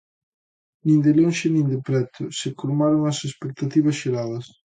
Nin de lonxe nin de preto se colmaron as expectativas xeradas.